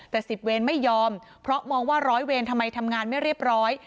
แต่๑๐เวรไม่ยอมเพราะมองว่าร้อยเวรทำไมทำงานไม่เรียบร้อย